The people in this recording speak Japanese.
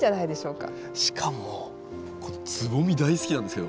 しかもこのつぼみ大好きなんですけど。